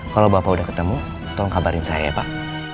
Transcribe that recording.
kalau bapak udah ketemu tolong kabarin saya ya pak